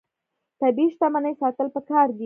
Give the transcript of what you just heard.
طبیعي شتمنۍ ساتل پکار دي.